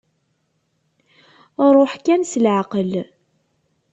Ṛuḥ kan s leɛqel.